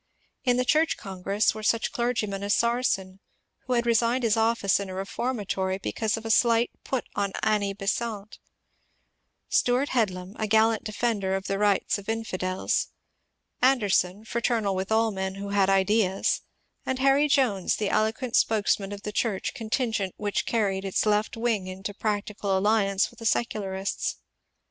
In the Church Congress were such clergymen as Sarson, who had resigned his office in a reformatory because of a slight put on Annie Besant ; Stewart Headlam, a gallant defender of the rights of " infidels ;" Anderson, fraternal with all men who had ideas ; and Harry Jones, the eloquent spokesman of the Church contingent which carried its left wing into prac tical alliance with the secidarists.